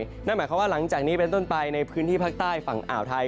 นั่นหมายความว่าหลังจากนี้เป็นต้นไปในพื้นที่ภาคใต้ฝั่งอ่าวไทย